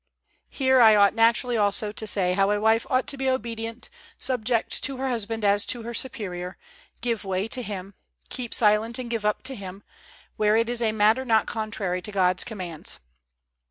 Here I ought naturally also to say how a wife ought to be obedient, subject to her husband as to her superior, give way to him, keep silent and give up to him, where it is a matter not contrary to God's commands.